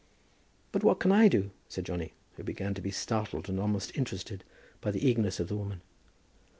"But what can I do?" said Johnny, who began to be startled and almost interested by the eagerness of the woman.